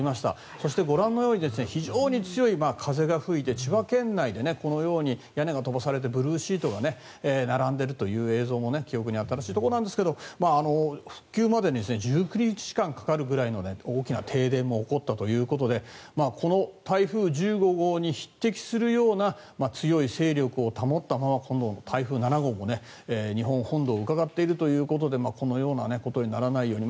そしてご覧のように非常に強い風が吹いて千葉県内でこのように屋根が飛ばされてブルーシートが並んでいるという映像も記憶に新しいところなんですが復旧までに１９日間かかるぐらいの大きな停電も起こったということでこの台風１５号に匹敵するような強い勢力を保ったまま台風７号も日本本土をうかがっているということでこのようなことにならないように。